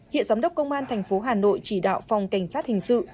hiện giám đốc công an thành phố hà nội chỉ đạo phòng cảnh sát hình sự